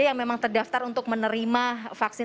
yang memang terdaftar untuk menerima vaksin